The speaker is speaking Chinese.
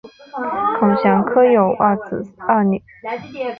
孔祥柯有二子二女